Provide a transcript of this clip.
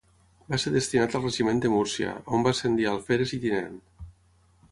Va ser destinat al Regiment de Múrcia, on va ascendir a alferes i tinent.